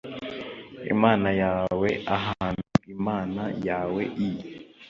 imana yawe ahantu imana yawe i